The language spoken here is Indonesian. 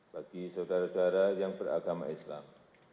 bagi saudara saudara yang beragama islam